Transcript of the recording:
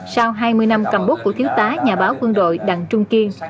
sau hai mươi năm cầm bút của thiếu tá nhà báo quân đội đặng trung kiên